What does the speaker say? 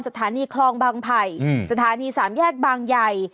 สถานีคลองบางไผ่สถานีสามแยกบางใหญ่